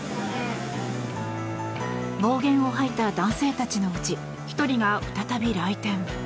暴言を吐いた男性たちのうち１人が再び来店。